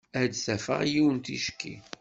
Ad d-afeɣ yiwen ticki.